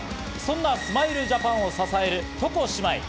そんなスマイルジャパンを支える床姉妹。